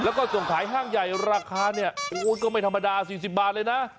แล้วก็ส่งขายห้างใหญ่ราคาเนี่ยโอ้ยก็ไม่ธรรมดา๔๐บาทเลยนะ